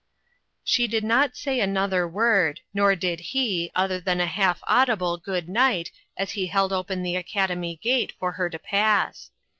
She did not say another word, nor did he, other than a half audible " Good night !" as he held open the Academy gate for her to pass.